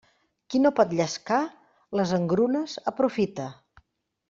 Qui no pot llescar, les engrunes aprofita.